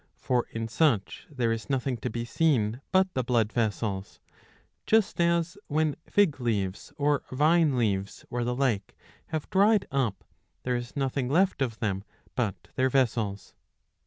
For in such there is nothing to be seen but the blood vessels ; just as when fig leaves or vine leaves or the like have dried up, there is nothing left of them but their vessels.